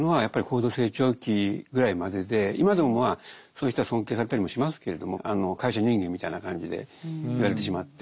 今でもまあそういう人は尊敬されたりもしますけれども会社人間みたいな感じで言われてしまって。